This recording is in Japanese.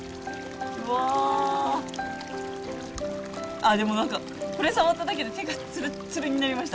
あでも何かこれ触っただけで手がツルツルになりました